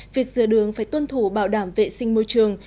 việc rửa đường phải tuân thủ bảo đảm vệ sinh môi trường